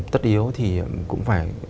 tất yếu thì cũng phải